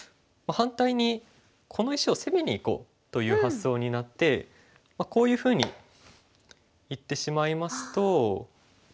反対にこの石を攻めにいこうという発想になってこういうふうにいってしまいますと。